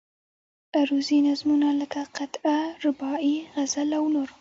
عروضي نظمونه لکه قطعه، رباعي، غزل او نور.